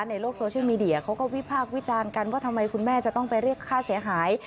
ในโลกโซเชียลมีเดียเขาก็วิพากษ์วิจารณ์กันว่าทำไมคุณแม่จะต้องไปเรียกค่าเสียหาย